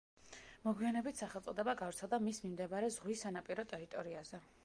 მოგვიანებით სახელწოდება გავრცელდა მის მიმდებარე ზღვის სანაპირო ტერიტორიაზე.